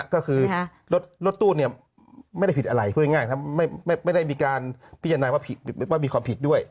ก็คือรถตู้ไม่ได้ผิดอะไรพูดง่ายไม่ได้มีการพิจารณาว่ามีความผิดด้วย